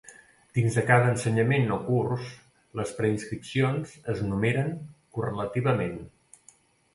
Dins de cada ensenyament o curs, les preinscripcions es numeren correlativament.